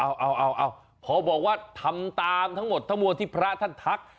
อ๋อเหรอเออเอาเพราะบอกว่าทำตามทั้งหมดทะมวงที่พระท่านทัก